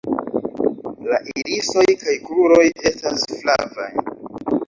La irisoj kaj kruroj estas flavaj.